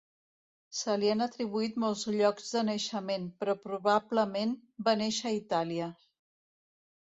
Se li han atribuït molts llocs de naixement, però probablement va néixer a Itàlia.